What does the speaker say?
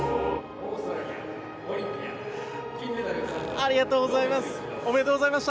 ありがとうございます。